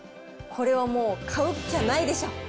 これはもう、買うっきゃないでしょ。